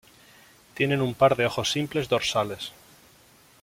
Tienen un par de ojos simples dorsales.